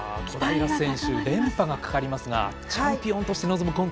小平選手連覇がかかりますがチャンピオンとして臨む